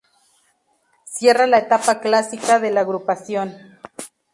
Cierra la etapa clásica de la agrupación.